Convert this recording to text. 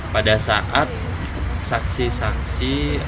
pada saat saksi saksi